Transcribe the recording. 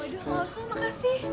waduh gak usah makasih